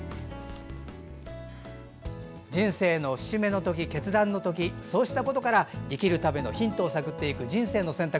人生の節目の時、決断の時そうしたことから生きるためのヒントを探っていく「人生の選択」。